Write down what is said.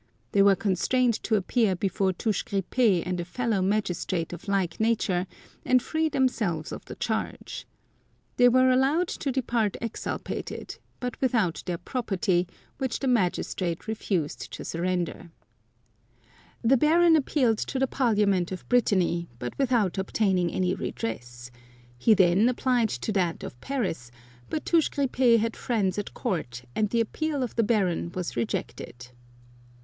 They were constrained to appear before Touche Gripp6 and a fellow magistrate of like nature, and free themselves of the charge. They were allowed to depart exculpated, but without their 156 r The Baroness de Beausoleil property, which the magistrate refused to surrender. The Baron appealed to the Parliament of Brittany, but without obtaining any redress ; he then applied to that of Paris, but Touche Grippe had friends at court, and the appeal of the Baron was rejected.